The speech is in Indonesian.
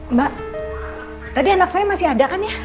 mbak tadi anak saya masih ada kan ya